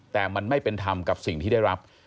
แต่มันไม่เป็นธรรมกับสิ่งที่ได้รับ